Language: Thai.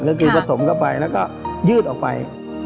ก็คือผสมเข้าไปแล้วก็ยืดออกไป